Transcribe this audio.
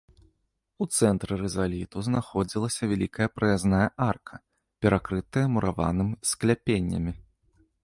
У цэнтры рызаліту знаходзілася вялікая праязная арка, перакрытая мураваным скляпеннямі.